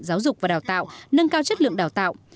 giáo dục và đào tạo nâng cao chất lượng đào tạo